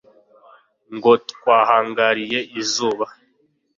Ngo Twahangariye izuba